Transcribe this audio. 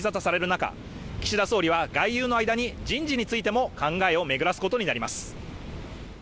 中岸田総理は外遊の間に人事についても考えをめぐらすことになります